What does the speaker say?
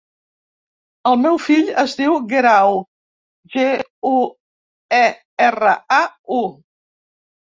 El meu fill es diu Guerau: ge, u, e, erra, a, u.